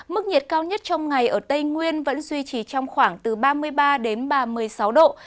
mức nhiệt cao nhất trong ngày ở tây nguyên vẫn duy trì trong khoảng từ ba mươi ba đến ba mươi sáu độ